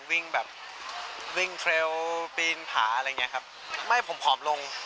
วิ่งแบบวิ่งเทรลปีนผาอะไรอย่างนี้ครับ